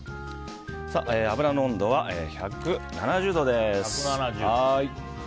油の温度は１７０度です。